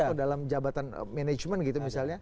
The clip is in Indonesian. atau dalam jabatan manajemen gitu misalnya